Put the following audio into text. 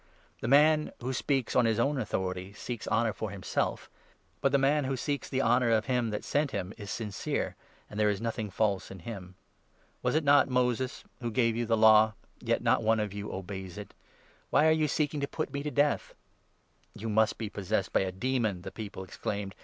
The man who speaks on his own authority seeks 18 honour for himself; but the man who seeks the honour of him that sent him is sincere, and there is nothing false in him. Was not it Moses who gave you the Law ? Yet not one of you 19 obeys it ! Why are you seeking to put me to death ?"'' You must be possessed by a demon !" the people exclaimed.